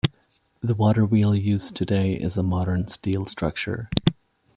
The waterwheel used today is a modern steel structure.